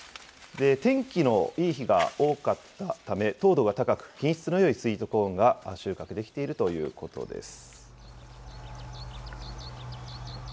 天気のいい日が多かったため、糖度が高く、品質のよいスイートコーンが収穫できているということです。